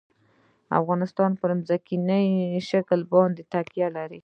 افغانستان په ځمکنی شکل باندې تکیه لري.